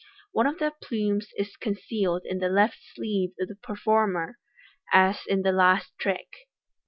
One of the plumes is concealed in the left sleeve of the performer, as in the last trick.